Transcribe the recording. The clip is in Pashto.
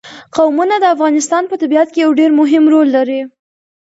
قومونه د افغانستان په طبیعت کې یو ډېر مهم رول لري.